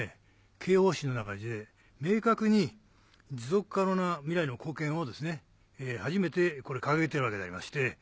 経営方針で明確に持続可能な未来の貢献を初めて掲げているわけでありまして。